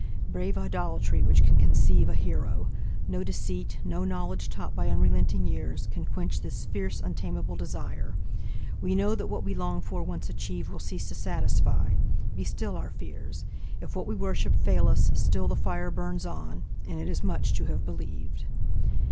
Brave idolatry Which can conceive a hero! No deceit, No knowledge taught by unrelenting years, Can quench this fierce, untamable desire. We know that what we long for once achieved Will cease to satisfy. Be still our fears; If what we worship fail us, still the fire Burns on, and it is much to have believed.